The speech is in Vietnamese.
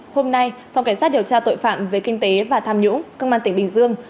hôm nay phòng cảnh sát điều tra tội phạm về kinh tế và tham nhũng công an tỉnh bình dương